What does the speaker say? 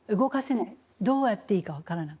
どうやっていいか分からない。